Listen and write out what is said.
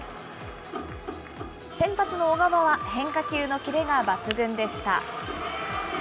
先発の小川は、変化球のキレが抜群でした。